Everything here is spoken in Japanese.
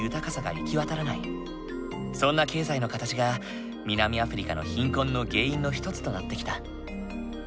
そんな経済の形が南アフリカの貧困の原因の一つとなってきた。